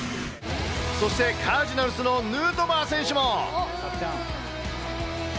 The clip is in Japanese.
そして、カージナルスのヌートバー選手も。